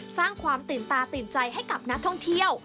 สร้างความตื่นตาตื่นใจให้กับนักท่องเที่ยว